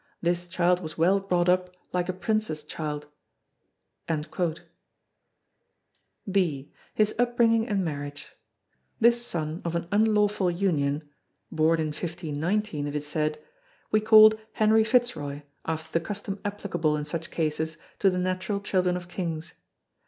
This child was well brought up lyke a Princes childe." (b) His Upbringing and Marriage This son of an unlawful union born in 1519 it is said was called Henry Fitzroy after the custom applicable in such cases to the natural children of kings.